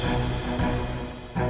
merebutkan masalah test dna itu